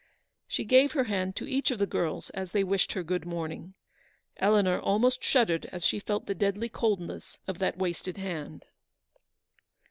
She gave her hand to each of the girls as they wished her good morning. Eleanor almost shud dered as she felt the deadly coldness of that wasted hand.